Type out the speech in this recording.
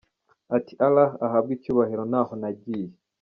Ati “Allah ahabwe icyubahiro ntaho nagiye.